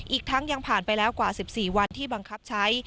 อีกทั้งยังผ่านไปแล้วกว่า๑๔วันที่บังคับใช้